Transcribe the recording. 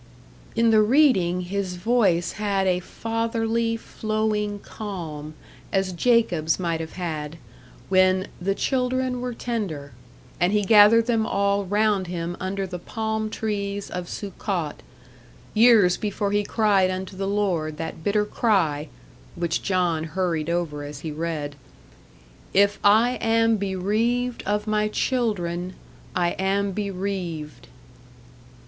In the reading his voice had a fatherly, flowing calm as Jacob's might have had, when "the children were tender," and he gathered them all round him under the palm trees of Succoth years before he cried unto the Lord that bitter cry (which John hurried over as he read) "IF I AM BEREAVED OF MY CHILDREN, I AM BEREAVED."